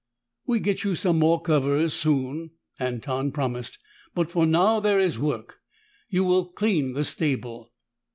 "We get you some more covers soon," Anton promised. "But for now there is work. You will clean the stable."